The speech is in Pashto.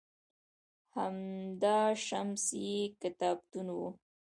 هُدا شمس یې کتابتون و